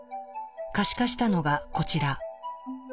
可視化したのがこちら。